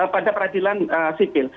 pada peradilan sipil